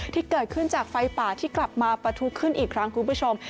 ที่เกิดขึ้นจากไฟป่าที่กลับมาประทุขึ้นอีกครั้งคุณผู้ชม